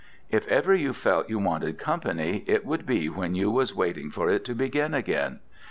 If ever you felt you wanted company, it would be when you was waiting for it to begin again.